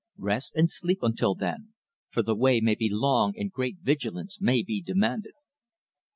Rest and sleep until then, for the way may be long and great vigilance may be demanded."